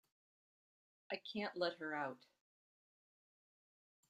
I can't let her out.